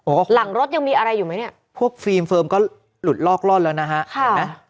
หลังรถยังมีอะไรอยู่ไหมเนี่ยพวกฟิล์มเฟิร์มก็หลุดลอกล่อนแล้วนะฮะค่ะเห็นไหม